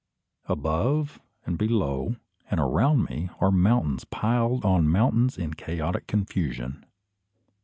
Above, and below, and around me, are mountains piled on mountains in chaotic confusion.